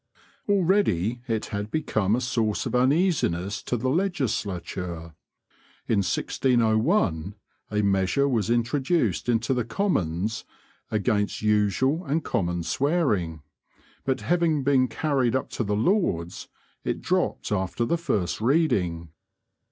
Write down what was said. Already it had become a source of uneasiness to the Legislature. In 1601 a measure was introduced into the Commons "against usual and common swearing," but, having been carried up to the Lords, it dropped after the first reading.